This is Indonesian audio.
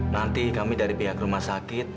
nanti kami dari pihak rumah sakit